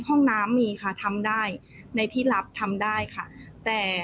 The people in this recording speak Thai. ห้องน้ำมีค่ะทำได้ในที่รับทำได้ค่ะแต่